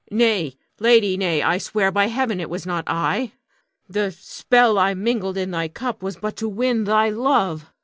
Huon. Nay, lady, nay! I swear by Heaven it was not I. The spell I mingled in thy cup was but to win thy love.